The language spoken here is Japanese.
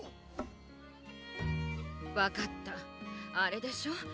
わかったあれでしょう